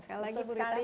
sekali lagi bu rita